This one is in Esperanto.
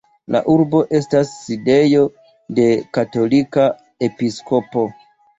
La urbo estas sidejo de katolika episkopo.